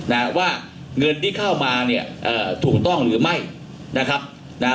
นะฮะว่าเงินที่เข้ามาเนี่ยเอ่อถูกต้องหรือไม่นะครับนะฮะ